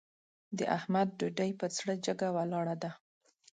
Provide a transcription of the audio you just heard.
د احمد ډوډۍ پر زړه جګه ولاړه ده.